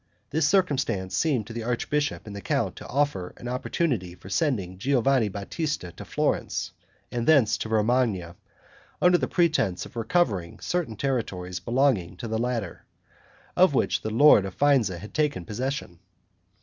This circumstance seemed to the archbishop and the count to offer an opportunity for sending Giovanni Batista to Florence, and thence to Romagna, under pretence of recovering certain territories belonging to the latter, of which the lord of Faenza had taken possession.